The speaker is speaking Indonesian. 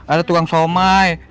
ada tukang somai